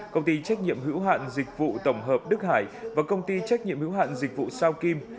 công ty trách nhiệm hữu hạn dịch vụ tổng hợp đức hải và công ty trách nhiệm hữu hạn dịch vụ sao kim